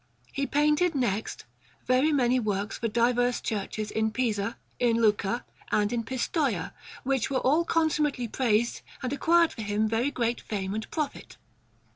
He painted, next, very many works for diverse churches in Pisa, in Lucca, and in Pistoia, which were all consummately praised and acquired for him very great fame and profit.